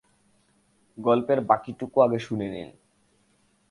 গল্পের বাকিটুকু আগে শুনে নিন।